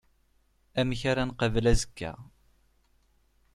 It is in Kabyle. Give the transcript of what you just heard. Amek ara nqabel azekka.